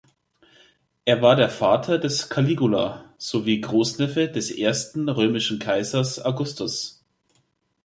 Er war der Vater des Caligula sowie Großneffe des ersten römischen Kaisers Augustus.